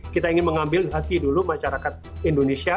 kita ingin mengambil hati dulu masyarakat indonesia